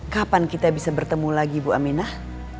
kapan kita bisa bertemu lagi ibu aminah